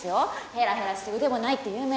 ヘラヘラして腕もないって有名な。